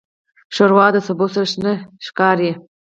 ښوروا د سبو سره شنه ښکاري.